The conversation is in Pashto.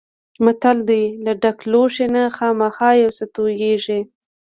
متل دی: له ډک لوښي نه خامخا یو څه تویېږي.